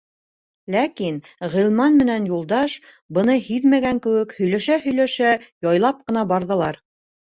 Ләкин Ғилман менән Юлдаш, быны һиҙмәгән кеүек, һөйләшә-һөйләшә, яйлап ҡына барҙылар.